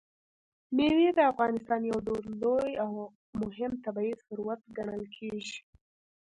مېوې د افغانستان یو ډېر لوی او مهم طبعي ثروت ګڼل کېږي.